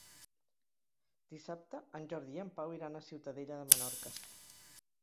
Dissabte en Jordi i en Pau iran a Ciutadella de Menorca.